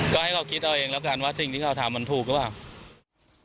ก็ให้เขาคิดเอาเองแล้วกันว่าสิ่งที่เขาทำมันถูกหรือเปล่า